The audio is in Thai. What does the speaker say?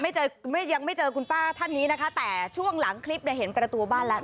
ยังไม่ยังไม่เจอคุณป้าท่านนี้นะคะแต่ช่วงหลังคลิปเนี่ยเห็นประตูบ้านแล้ว